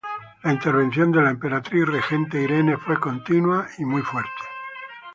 La intervención de la emperatriz regente Irene fue continua y fuerte.